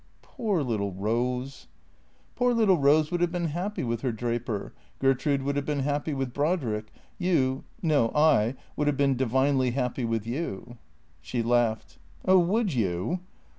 " Poor little Rose !"" Poor little Rose would have been happy with her draper ; Gertrude would have been happy with Brodrick ; you — no, I, would have been divinely happy with you." She laughed. " Oh, would you